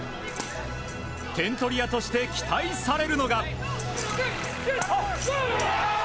点取り屋として期待されるのが。